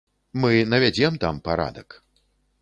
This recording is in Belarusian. Мы навядзем там парадак.